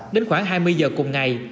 đến khoảng hai mươi giờ cùng ngày